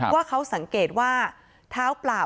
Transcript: ว่าเขาสังเกตว่าเท้าเปล่า